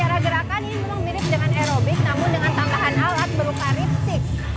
secara gerakan ini memang mirip dengan aerobik namun dengan tambahan alat berupa ripstick